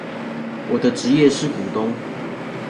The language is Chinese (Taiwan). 我的職業是股東